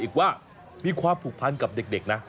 อีกว่ามีความผูกพันกับเด็กนะ